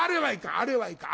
あれはいかん。